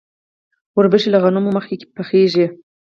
وربشې له غنمو مخکې پخیږي.